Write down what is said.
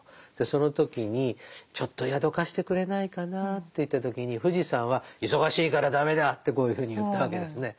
その時に「ちょっと宿を貸してくれないかな」と言った時に富士山は「忙しいから駄目だ」ってこういうふうに言ったわけですね。